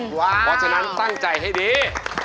เพราะฉะนั้นตั้งใจให้ดี